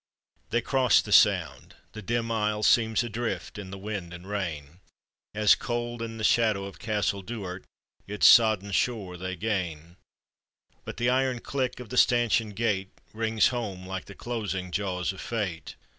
They crossed the sound; the dim isle seems Adrift in the wind and rain, As cold in the shadow of Castle Duard Its sodden shore they gain, But the iron click of the stanchioned gate Kings home like the closing jaws of fate.